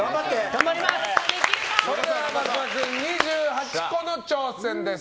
それでは松田君、２８個の挑戦です。